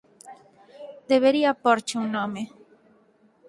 Debería pórche un nome.